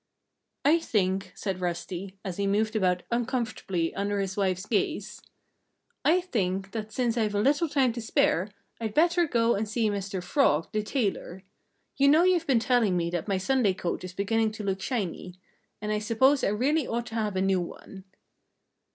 "I think," said Rusty, as he moved about uncomfortably under his wife's gaze, "I think that since I've a little time to spare I'd better go and see Mr. Frog, the tailor. You know you've been telling me that my Sunday coat is beginning to look shiny and I suppose I really ought to have a new one."